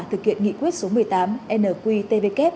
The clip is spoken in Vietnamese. thực hiện nghị quyết số một mươi tám nqtvk